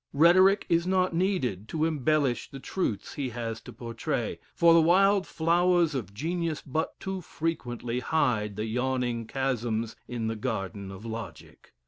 Rhetoric is not needed to embellish the truths he has to portray, for the wild flowers of genius but too frequently hide the yawning chasms in the garden of Logic.